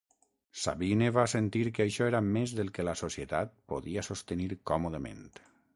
Sabine va sentir que això era més del que la Societat podia sostenir còmodament.